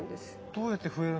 どうやって増える？